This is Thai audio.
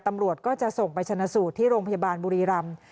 ตำรวจก็จะส่งไปชนะสูตรที่โรงพยาบาลบุรีรำ